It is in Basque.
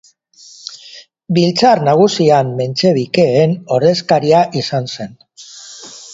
Biltzar Nagusian mentxebikeen ordezkaria izan zen.